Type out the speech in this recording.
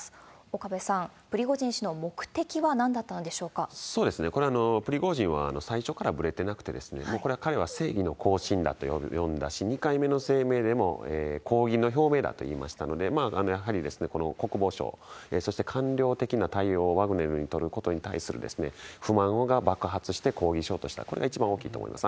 岡部さん、プリゴジン氏の目的はなんだったんでしょうかろろこれはプリゴジンは最初からぶれてなくて、もうこれは、彼は正義の行進だと呼んだし、２回目の声明でも抗議の表明だと言いましたので、やはりこの国防省、そして官僚的な対応をワグネルに取ることに対する不満が爆発して抗議しようとした、これが一番大きいと思います。